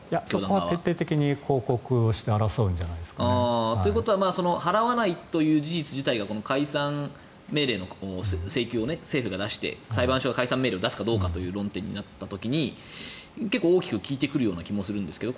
そこは徹底的に抗告をして争うんじゃないですかね。ということは払わないという事実自体が解散命令の請求を政府が出して裁判所が解散命令を出すかという論点になった時に結構大きく効いてくる気もするんですけど